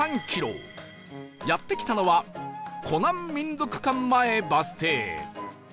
やって来たのは湖南民俗館前バス停